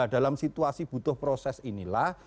dalam situasi butuh proses inilah